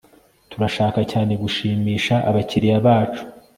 Turashaka cyane gushimisha abakiriya bacu